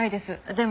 でも。